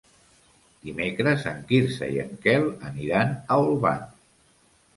Dimecres en Quirze i en Quel aniran a Olvan.